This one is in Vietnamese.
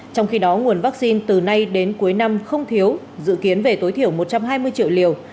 trong khi đó nguồn vaccine từ nay đến cuối năm không thiếu dự kiến về tối thiểu một trăm hai mươi triệu liều